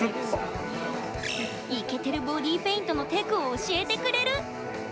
イケてるボディーペイントのテクを教えてくれる。